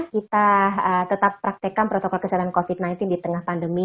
kita tetap praktekkan protokol kesehatan covid sembilan belas di tengah pandemi